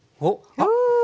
あっ！